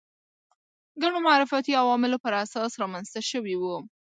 ګڼو معرفتي عواملو پر اساس رامنځته شوي وو